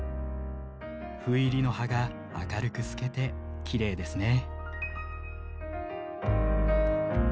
斑入りの葉が明るく透けてきれいですね。